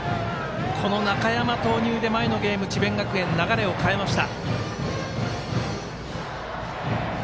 中山投入で前の試合智弁学園、流れを変えました。